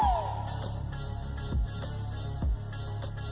asean mana suaranya